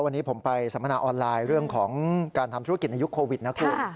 วันนี้ผมไปสัมมนาออนไลน์เรื่องของการทำธุรกิจในยุคโควิดนะคุณ